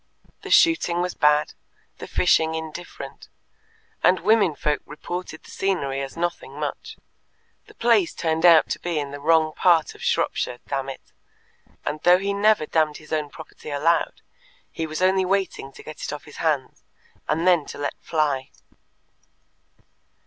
The shooting was bad, the fishing indifferent, and women folk reported the scenery as nothing much. The place turned out to be in the wrong part of Shropshire, damn it, and though he never damned his own property aloud, he was only waiting to get it off his hands, and then to let fly.